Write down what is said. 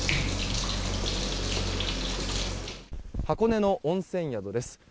箱根の温泉宿です。